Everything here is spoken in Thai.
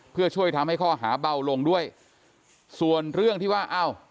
เพื่อช่วยทำให้ข้อหาเบาลงด้วยส่วนเรื่องที่ว่าอ้าว